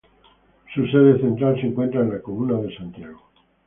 Su sede central se encuentra en la comuna de Santiago.